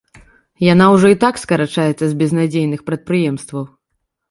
Яна ўжо і так скарачаецца з безнадзейных прадпрыемстваў.